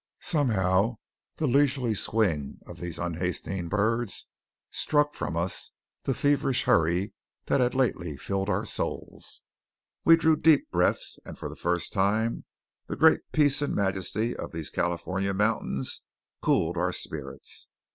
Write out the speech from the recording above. Somehow the leisurely swing of these unhasting birds struck from us the feverish hurry that had lately filled our souls. We drew deep breaths; and for the first time the great peace and majesty of these California mountains cooled our spirits.